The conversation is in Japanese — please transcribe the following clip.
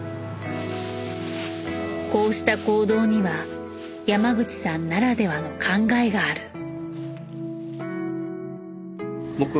こうした行動には山口さんならではの考えがある。